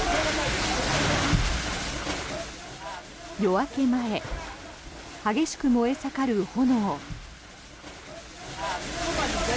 夜明け前、激しく燃え盛る炎。